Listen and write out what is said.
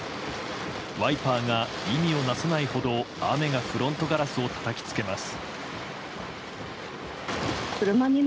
ワイパーが意味をなさないほど雨がフロントガラスをたたきつけます。